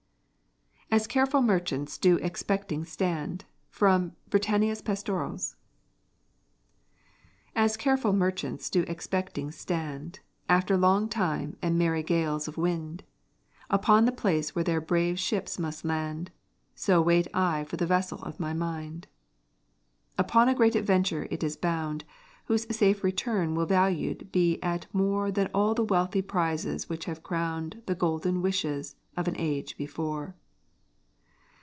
AS CAREFUL MERCHANTS DO EXPECTING STAND From 'Britannia's Pastorals' As careful merchants do expecting stand, After long time and merry gales of wind, Upon the place where their brave ships must land, So wait I for the vessel of my mind. Upon a great adventure is it bound, Whose safe return will valued be at more Than all the wealthy prizes which have crowned The golden wishes of an age before.